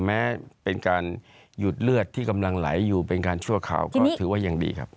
แม้เป็นการหยุดเลือดที่กำลังไหลอยู่เป็นการชั่วคราวก็ถือว่ายังดีครับ